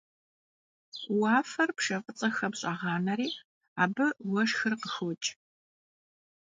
Vuafer pşşe f'ıts'exem ş'ağaneri abı vueşşxır khıxoç'.